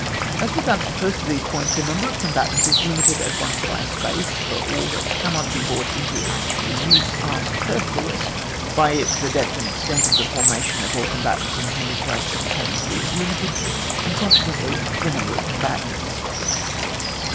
As regards the first of these points, the number of combatants is limi ted at once by space, for all that cannot be brought into actual use are superfluous. By it the depth and extent of the forma tion of all combatants intended to act simultaneously is limited, and conse quently the number of combatants. 294.